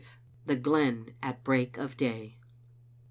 THE GLEN AT BREAK OF DAY.